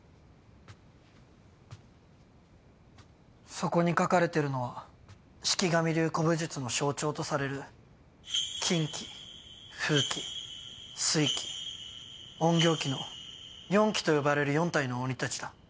そこに描かれてるのは四鬼神流古武術の象徴とされる金鬼風鬼水鬼隠形鬼の四鬼と呼ばれる四体の鬼たちだ。